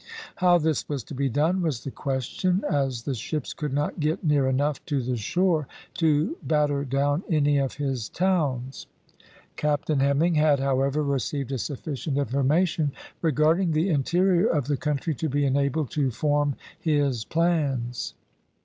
How this was to be done was the question, as the ships could not get near enough to the shore to batter down any of his towns. Captain Hemming had, however, received sufficient information regarding the interior of the country to be enabled to form his plans.